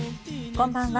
こんばんは。